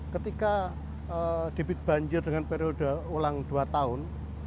ketika debit banjir dengan periode ulang dua tahun